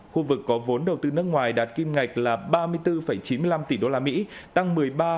khu vực có vốn đầu tư nước ngoài đạt kim ngạch là ba mươi bốn chín mươi năm tỷ usd tăng một mươi ba ba